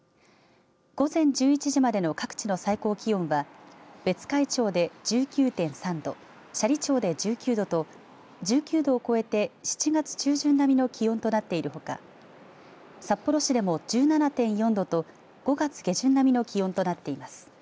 午前１１時までの各地の最高気温は別海町で１９．３度斜里町で１９度と１９度を超えて７月中旬並みの気温となっているほか札幌市でも１７．４度と５月下旬並みの気温となっています。